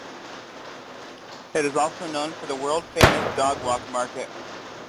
It is also known for the "World Famous" Dogwalk Market.